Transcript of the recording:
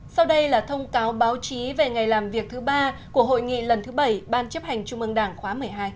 sau đây là thông cáo báo chí về ngày làm việc thứ ba của hội nghị lần thứ bảy ban chấp hành trung ương đảng khóa một mươi hai